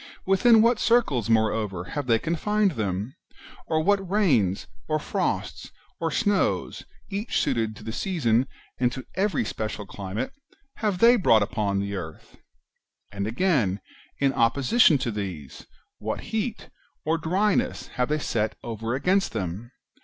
within what circles, moreover, have they confined them ? or, what rains, or frosts, or snows, each suited to the season, and to every special climate, have they brought upon the earth ? And again, in opposition to these, what heat or dryness have they set over against them